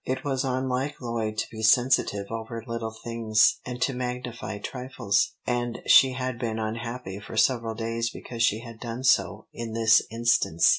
It was unlike Lloyd to be sensitive over little things, and to magnify trifles, and she had been unhappy for several days because she had done so in this instance.